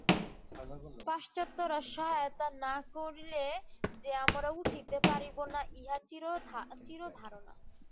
পাশ্চাত্যরা সহায়তা না করিলে যে আমরা উঠিতে পারিব না, ইহা চির ধারণা।